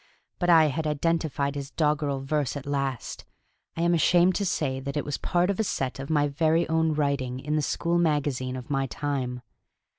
But I had identified his doggerel verse at last. I am ashamed to say that it was part of a set of my very own writing in the school magazine of my time.